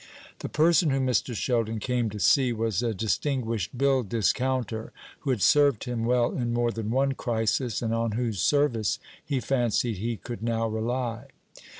The person whom Mr. Sheldon came to see was a distinguished bill discounter, who had served him well in more than one crisis, and on whose service he fancied he could now rely.